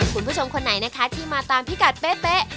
คุณผู้ชมคนไหนนะคะที่มาตามพิกัดเป๊ะ